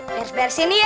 bers bersin nih ya